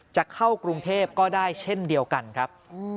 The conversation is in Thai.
จะเข้ากรุงเทพก็ได้เช่นเดียวกันครับ